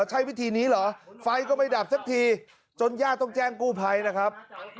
ใช้วิธีนี้เหรอไฟก็ไม่ดับสักทีจนญาติต้องแจ้งกู้ภัยนะครับ